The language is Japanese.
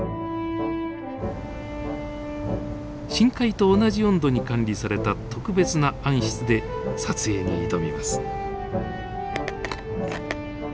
深海と同じ温度に管理された特別な暗室で撮影に挑みます。